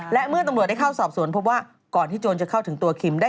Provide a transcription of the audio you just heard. และเมื่อตำรวจได้เข้าสอบสวนพบว่าก่อนที่โจรจะเข้าถึงตัวคิมได้